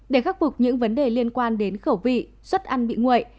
để khắc phục những vấn đề liên quan đến khẩu vị xuất ăn bị nguội